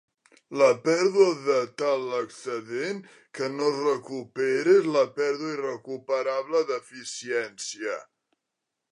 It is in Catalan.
La pèrdua de tal excedent, que no es recupera, és la pèrdua irrecuperable d'eficiència.